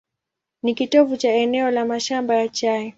Ni kitovu cha eneo la mashamba ya chai.